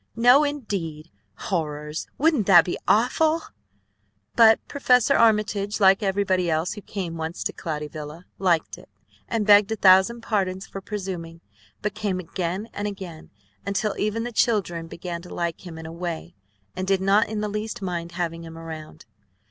No, indeed! Horrors! Wouldn't that be awful?" But Professor Armitage, like everybody else who came once to Cloudy Villa, liked it, and begged a thousand pardons for presuming, but came again and again, until even the children began to like him in a way, and did not in the least mind having him around.